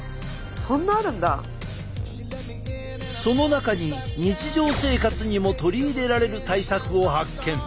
その中に日常生活にも取り入れられる対策を発見。